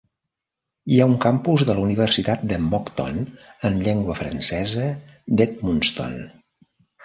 Hi ha un campus de la Universitat de Moncton en llengua francesa d'Edmundston.